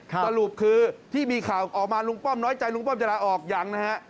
สรุปคือที่มีข่าวออกมาลุงป้อมน้อยใจลุงป้อมจะลาออกยังนะฮะ